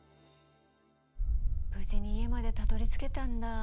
無事に家までたどりつけたんだ。